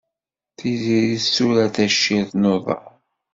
Tiziri tetturar tacirt n uḍar.